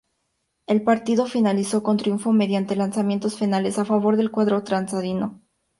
El partido finalizó con triunfo mediante lanzamientos penales a favor del cuadro trasandino.